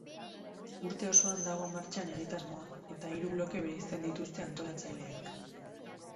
Urte osoan dago martxan egitasmoa eta hiru bloke bereizten dituzte antolatzaileek.